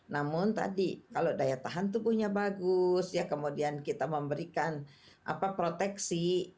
namun tadi kalau daya tahan tubuhnya bagus ya kemudian kita memberikan proteksi